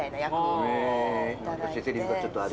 せりふがちょっとある。